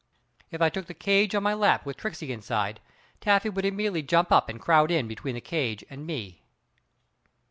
If I took the cage on my lap with Tricksey inside Taffy would immediately jump up and crowd in between the cage and me.